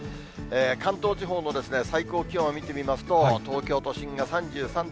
関東地方の最高気温を見てみますと、東京都心が３３．５度。